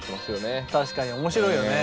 確かに面白いよね。